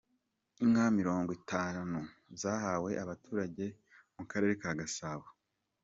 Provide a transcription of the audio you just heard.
Inka mirongwitanu zahawe abaturage mu Karere ka Gasabo